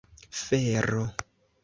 fero